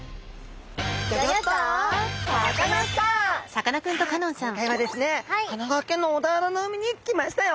さあ今回はですね神奈川県の小田原の海に来ましたよ！